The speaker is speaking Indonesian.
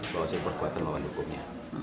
masih berkuatan melawan hukumnya